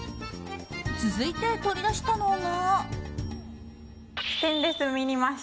続いて、取り出したのが。